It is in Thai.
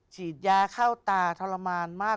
ฉีดยาเข้าตาทรมานมาก